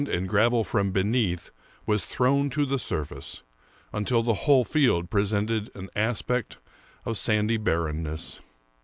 178 Washington Irving and gravel from beneath was thrown to the surface, until the whole field presented an aspect of sandy barrenness.